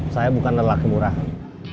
saya bukan lelaki murahan